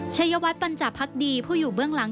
ชัยวัดปัญจาภักดีผู้อยู่เบื้องหลัง